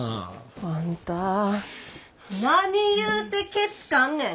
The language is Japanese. あんた何言うてけつかんねん！